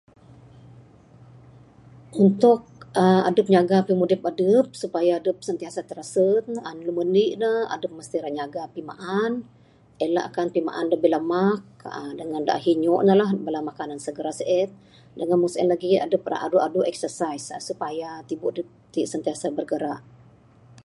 Untuk aaa nyaga pimudip adep supaya adep sentiasa tirasen aaa numur 1 ne adep mesti ra nyaga pimaan, elakkan pimaan da bilamak aaa dangan da ahi inyo ne lah. Bala makanan segera sien dangan meng sien lagih adep ra adu adu exercise supaya tibu dep ti sentiasa bergerak